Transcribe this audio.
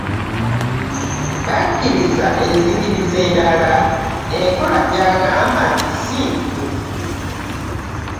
Basikiriza enzikiriza endala, enkola gy'agamba nti si ntuufu